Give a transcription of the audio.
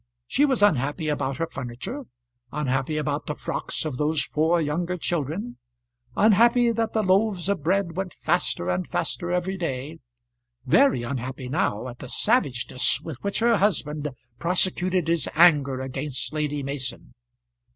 She was unhappy about her furniture, unhappy about the frocks of those four younger children, unhappy that the loaves of bread went faster and faster every day, very unhappy now at the savageness with which her husband prosecuted his anger against Lady Mason.